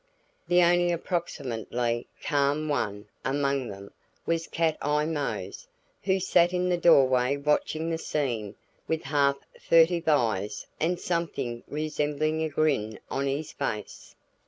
The only approximately calm one among them was Cat Eye Mose who sat in the doorway watching the scene with half furtive eyes and something resembling a grin on his face.